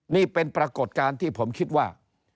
นี่เป็นปรากฏการณ์ที่ผมคิดว่า